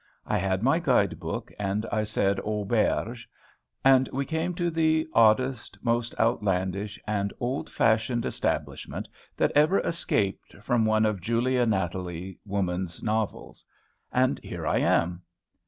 I had my guide book, and I said auberge; and we came to the oddest, most outlandish, and old fashioned establishment that ever escaped from one of Julia Nathalie woman's novels. And here I am.